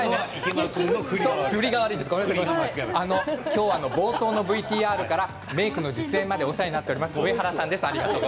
今日は冒頭からメークの実演までお世話になっている上原さんです。